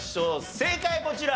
正解はこちら。